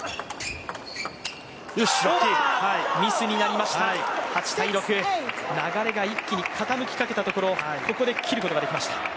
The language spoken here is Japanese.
ミスになりました、流れが一気に傾きかけたところ、ここで切ることができました。